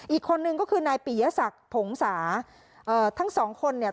อีกคนนึงก็คือนายปียศักดิ์ผงสาเอ่อทั้งสองคนเนี่ย